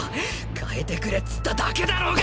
代えてくれっつっただけだろーが！